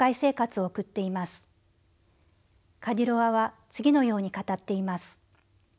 カディロワは次のように語っています。